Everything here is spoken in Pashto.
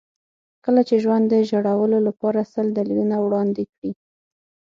کله چې ژوند د ژړلو لپاره سل دلیلونه وړاندې کړي.